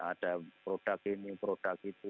ada produk ini produk itu